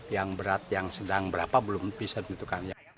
yang berat yang sedang berapa belum bisa ditentukan